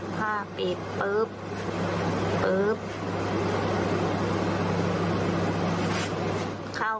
เค้าบอกว่า